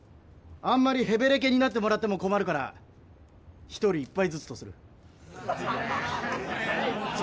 あんまりへべれけになってもらっても困るから１人１杯ずつとする。